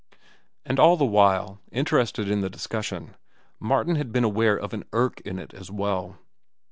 And all the while, interested in the discussion, Martin had been aware of an irk in it as well.